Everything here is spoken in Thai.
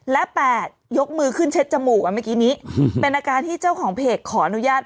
และ๘ยกมือขึ้นเช็ดจมูกเมื่อกี้นี้เป็นอาการที่เจ้าของเพจขออนุญาต